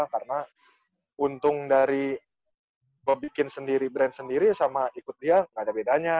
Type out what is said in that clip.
karena untung dari gue bikin sendiri brand sendiri sama ikut dia gak ada bedanya